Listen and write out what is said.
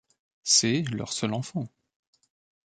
C'est leur seul enfant.